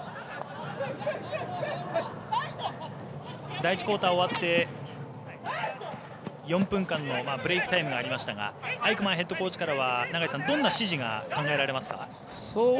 第１クオーター終わって４分間のブレークタイムがありましたがアイクマンヘッドコーチからはどんな指示が考えられますか？